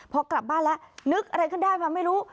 พอกลับบ้านแล้วนึกอะไรขึ้นได้มาไม่รู้